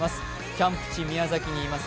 キャンプ地宮崎にいます